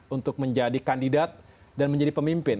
untuk menjadi kandidat dan menjadi pemimpin